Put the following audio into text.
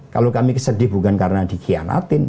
kalau kami sedih bukan karena dikhianatin